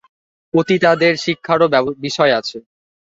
পতিতাদের শিক্ষারও বিষয় আছে।